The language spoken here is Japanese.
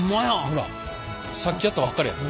ほらさっきやったばかりやもん。